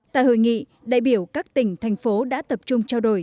tại hội nghị đại biểu các tỉnh thành phố đã tập trung trao đổi